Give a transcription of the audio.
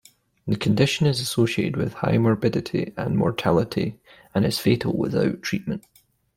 The condition is associated with high morbidity and mortality and is fatal without treatment.